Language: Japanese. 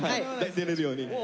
出れるように。